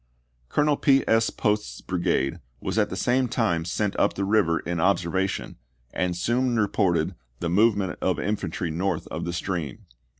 Colonel P. S. Post's brigade was at the same time sent up the river in observation and soon reported the move ment of infantry north of the stream.